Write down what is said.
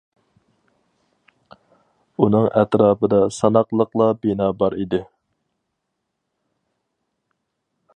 ئۇنىڭ ئەتراپىدا ساناقلىقلا بىنا بار ئىدى.